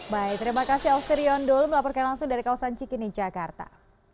baik terima kasih ausirion dul melaporkan langsung dari kawasan cikini jakarta